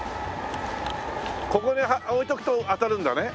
ここに置いておくと当たるんだね？